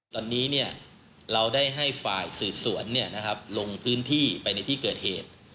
ตอนนี้เราได้ให้ฝ่ายสืบสวนลงพื้นที่ไปในที่เกิดเหตุ